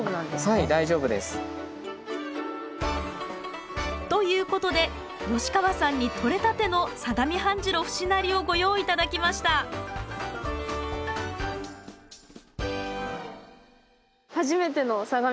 はい大丈夫です。ということで吉川さんにとれたての相模半白節成をご用意頂きました初めての相模半白節成です。